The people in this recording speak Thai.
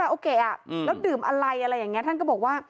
แล้วดื่มอะไรอย่างนี้ท่านก็บอกว่า